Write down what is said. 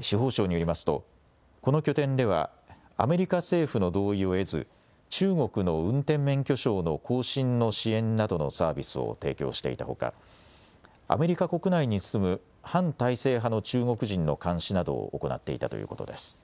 司法省によりますと、この拠点では、アメリカ政府の同意を得ず、中国の運転免許証の更新の支援などのサービスを提供していたほか、アメリカ国内に住む反体制派の中国人の監視などを行っていたということです。